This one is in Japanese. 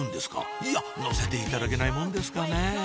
いや乗せていただけないもんですかねぇ？